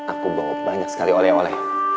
aku bawa banyak sekali oleh oleh